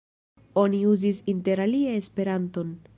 Oni uzis interalie esperanton.